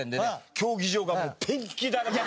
競技場がもうペンキだらけ。